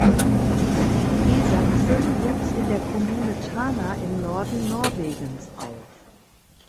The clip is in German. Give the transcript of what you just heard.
Isaksen wuchs in der Kommune Tana im Norden Norwegens auf.